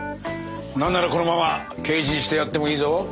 なんならこのまま刑事にしてやってもいいぞ。